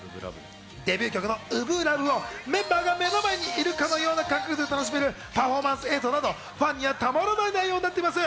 デビュー曲の『初心ＬＯＶＥ』をメンバーが目の前にいるかのような感覚で楽しめるパフォーマンス映像などファンにはたまらない内容になっています。